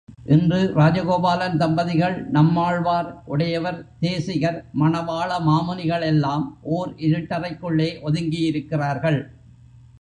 இன்று ராஜகோபாலன் தம்பதிகள், நம்மாழ்வார், உடையவர், தேசிகர், மணவாள மாமுனிகள் எல்லாம் ஓர் இருட்டறைக்குள்ளே ஒதுங்கியிருக்கிறார்கள்.